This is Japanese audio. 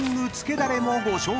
だれもご紹介］